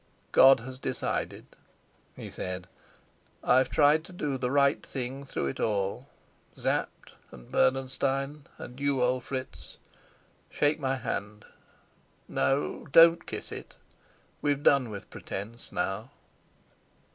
"God has decided," he said. "I've tried to do the right thing through it all. Sapt, and Bernenstein, and you, old Fritz, shake my hand. No, don't kiss it. We've done with pretence now."